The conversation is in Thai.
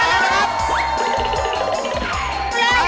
เร็ว